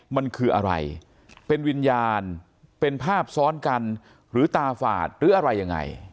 มันคืออะไรเป็นวิญญาณเป็นภาพซ้อนกันหรือตาฝาดหรืออะไรยังไง